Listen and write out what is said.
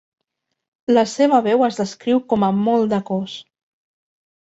La seva veu es descriu com amb molt de cos.